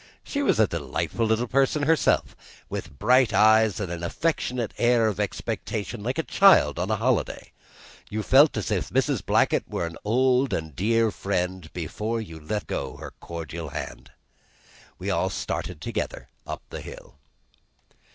She was a delightful little person herself, with bright eyes and an affectionate air of expectation like a child on a holiday. You felt as if Mrs. Blackett were an old and dear friend before you let go her cordial hand. We all started together up the hill.